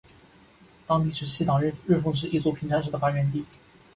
当地是西党日奉氏一族平山氏的发源地。